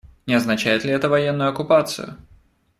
Не означает ли это военную оккупацию?